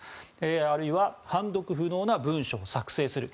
あるいは判読不能な文書を作成する。